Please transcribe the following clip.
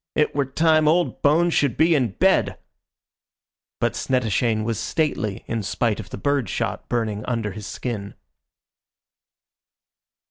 "It were time old bones should be in bed." But Snettishane was stately in spite of the bird shot burning under his skin.